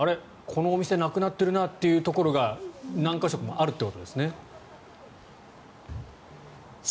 このお店なくなっているなというところが何か所かあるということですね。